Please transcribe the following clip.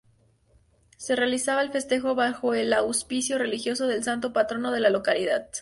Se realizaba el festejo bajo el auspicio religioso del santo patrono de la localidad.